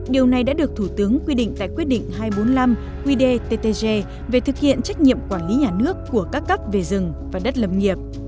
điều này đã được thủ tướng quy định tại quyết định hai trăm bốn mươi năm qdttg về thực hiện trách nhiệm quản lý nhà nước của các cấp về rừng và đất lâm nghiệp